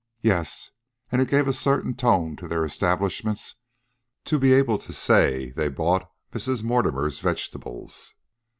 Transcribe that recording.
Yes, and it gave a certain tone to their establishments to be able to say they bought Mrs. Mortimer's vegetables.